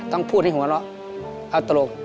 ต้องพูดให้หัวเราะเอาตลก